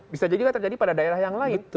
bisa jadi juga terjadi pada daerah yang lain